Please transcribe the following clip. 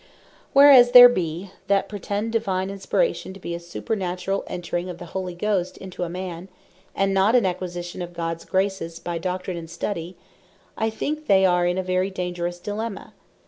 Whereas there be, that pretend Divine Inspiration, to be a supernaturall entring of the Holy Ghost into a man, and not an acquisition of Gods grace, by doctrine, and study; I think they are in a very dangerous Dilemma.